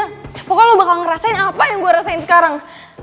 pokoknya lo bakal ngerasain apa yang gua rasain sekarang